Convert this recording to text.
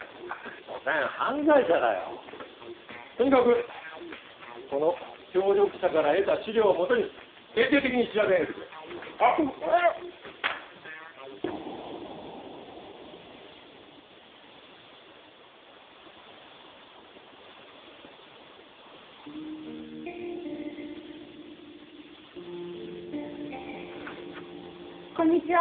所詮犯罪者だよとにかくこの協力者から得た資料をもとに徹底的に調べ上げてくれはいこんにちはー